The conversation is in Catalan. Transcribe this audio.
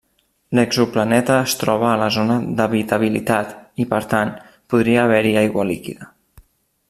L'exoplaneta es troba a la zona d'habitabilitat i, per tant, podria haver-hi aigua líquida.